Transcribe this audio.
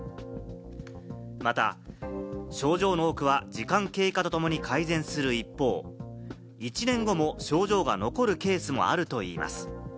また症状の多くは時間経過とともに改善する一方、１年後も症状が残るケースもあるといいます。